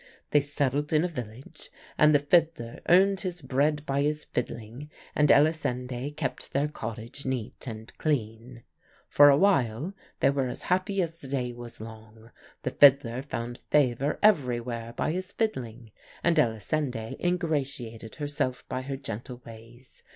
They settled in a village, and the fiddler earned his bread by his fiddling, and Elisinde kept their cottage neat and clean. For awhile they were as happy as the day was long; the fiddler found favour everywhere by his fiddling, and Elisinde ingratiated herself by her gentle ways.